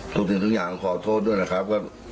สิ่งทุกอย่างขอโทษด้วยนะครับ